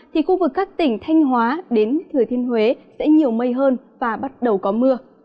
thì khu vực các tỉnh thanh hóa đến thừa thiên huế sẽ nhiều mây hơn và bắt đầu có mưa